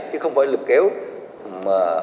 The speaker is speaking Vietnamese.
chứ không phải lực kéo mà chính phủ phải đảm giảm chuyện này